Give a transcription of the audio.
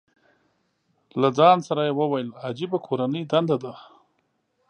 له ځان سره یې وویل، عجیبه کورنۍ دنده ده.